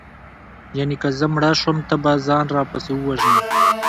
یانې که زه مړه شوم ته به ځان راپسې ووژنې